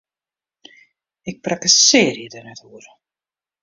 Ik prakkesearje der net oer!